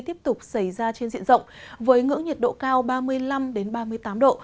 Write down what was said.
tiếp tục xảy ra trên diện rộng với ngưỡng nhiệt độ cao ba mươi năm ba mươi tám độ